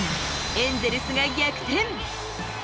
エンゼルスが逆転。